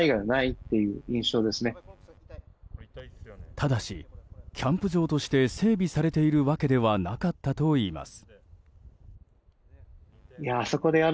ただし、キャンプ場として整備されているわけではなかったといいます。